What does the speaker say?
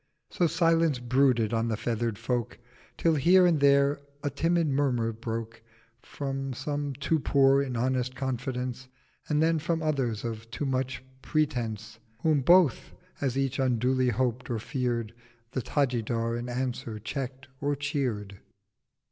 So Silence brooded on the feather'd Folk, 630 Till here and there a timid Murmur broke From some too poor in honest Confidence, And then from others of too much Pretence; Whom both, as each unduly hoped or fear'd, The Tajidar in answer check'd or cheer'd.